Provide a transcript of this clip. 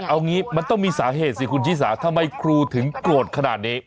เอางี้มันต้องมีสาเหตุสิคุณชิสาทำไมครูถึงโกรธขนาดนี้